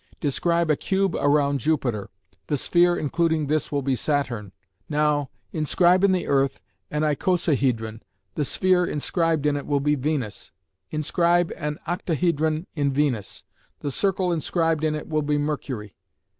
Describe a cube round Jupiter; the sphere including this will be Saturn. Now, inscribe in the earth an icosahedron, the sphere inscribed in it will be Venus: inscribe an octahedron in Venus: the circle inscribed in it will be Mercury."